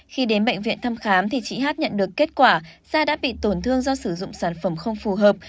khi đến bệnh viện thăm khám thì chị hát nhận được kết quả da đã bị tổn thương do sử dụng sản phẩm không phù hợp